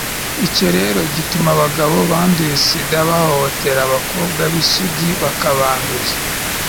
icyo rero gituma abagabo banduye sida bahohotera abakobwa b'isugi bakabanduza